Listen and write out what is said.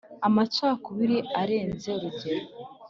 amacakubiri arenze urugero